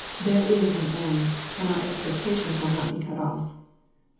" There is an end : and our expectation shall not be cut ofEl" (Frov.